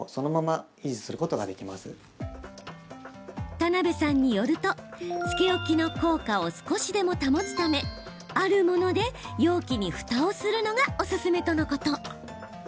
田邊さんによるとつけ置きの効果を少しでも保つためあるもので容器にふたをするのがおすすめとのこと。